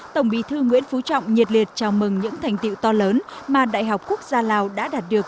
tổng bí thư nguyễn phú trọng nhiệt liệt chào mừng những thành tiệu to lớn mà đại học quốc gia lào đã đạt được